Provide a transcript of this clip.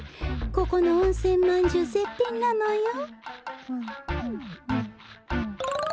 ここのおんせんまんじゅうぜっぴんなのよ。